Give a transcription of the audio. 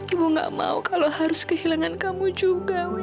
ibu gak mau kalau harus kehilangan kamu juga